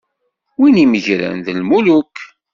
Wid imeggren, d lmuluk.